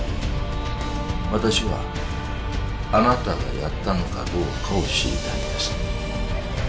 私はあなたがやったのかどうかを知りたいんです。